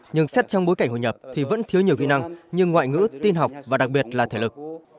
nhưng xét trong bối cảnh hội nhập thì vẫn thiếu nhiều kỹ năng như ngoại ngữ tin học và đặc biệt là thể lực